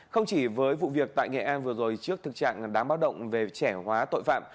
không chỉ với vụ việc tại nghệ an vừa rồi trước thực trạng đáng báo động về trẻ hóa tội phạm